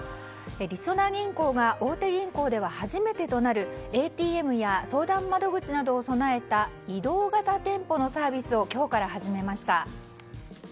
りそな銀行が大手銀行では初めてとなるＡＴＭや相談窓口などを備えた移動型店舗のサービスを今日から始めました。